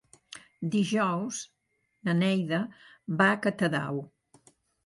Dijous na Neida va a Catadau.